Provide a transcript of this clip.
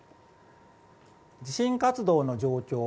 地震活動の状況